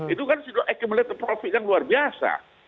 itu kan sudah mengumpulkan profit yang luar biasa